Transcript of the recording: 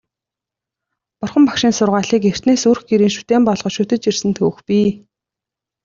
Бурхан Багшийн сургаалыг эртнээс өрх гэрийн шүтээн болгож шүтэж ирсэн түүх бий.